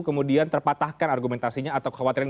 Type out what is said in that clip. kemudian terpatahkan argumentasinya atau kekhawatiran